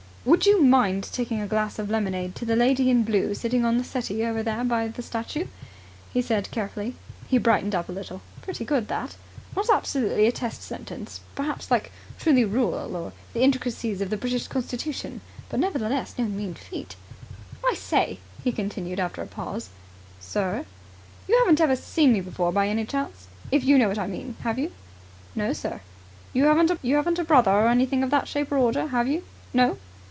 "Would you mind taking a glass of lemonade to the lady in blue sitting on the settee over there by the statue," he said carefully. He brightened up a little. "Pretty good that! Not absolutely a test sentence, perhaps, like 'Truly rural' or 'The intricacies of the British Constitution'. But nevertheless no mean feat." "I say!" he continued, after a pause. "Sir?" "You haven't ever seen me before by any chance, if you know what I mean, have you?" "No, sir." "You haven't a brother, or anything of that shape or order, have you, no?"